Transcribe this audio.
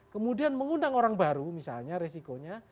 kemudian mengundang orang baru misalnya resikonya